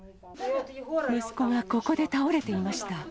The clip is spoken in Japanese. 息子がここで倒れていました。